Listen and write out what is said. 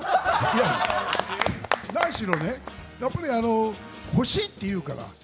いや、やっぱり欲しいって言うから。